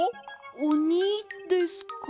おにですか？